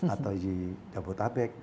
atau di jabodetabek